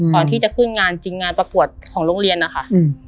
ก่อนที่จะขึ้นงานจริงงานประกวดของโรงเรียนนะคะ